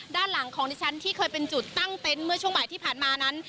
ด้านหลังของดิฉันที่เคยเป็นจุดตั้งเต็นต์เมื่อช่วงบ่ายที่ผ่านมานั้น